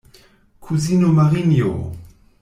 Kuzino Marinjo!